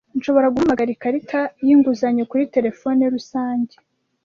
Nshobora guhamagara ikarita yinguzanyo kuri terefone rusange?